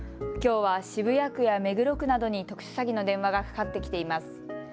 きょうは渋谷区や目黒区などに特殊詐欺の電話がかかってきています。